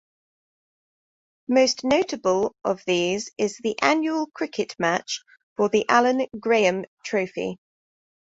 Most notable of these is the annual cricket match, for the Allan Graham Trophy.